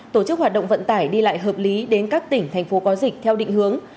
tổ chức hoạt động vận tải đi lại hợp lý đến các tỉnh thành phố có dịch theo định hướng